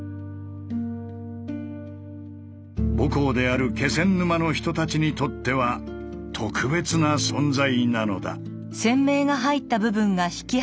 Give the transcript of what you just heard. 母港である気仙沼の人たちにとっては「特別な存在」なのだ。